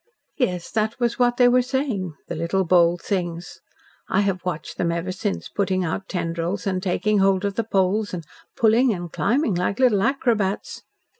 Yes, that was what they were saying, the little bold things. I have watched them ever since, putting out tendrils and taking hold of the poles and pulling and climbing like little acrobats.